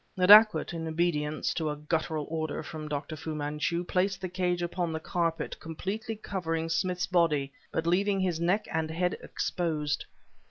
The dacoit, in obedience to a guttural order from Dr. Fu Manchu, placed the cage upon the carpet, completely covering Smith's body, but leaving his neck and head exposed.